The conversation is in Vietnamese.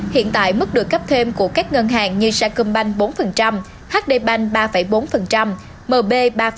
hiện tại mức được cấp thêm của các ngân hàng như sacombank bốn hdbank ba bốn mb ba hai